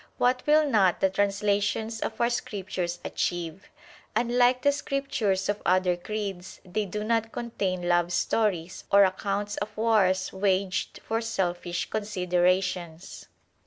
What will not the translations of our Scriptures achieve ? Unlike the Scriptures of other creeds, they do not contain love stories or accounts of wars waged for selfish considerations.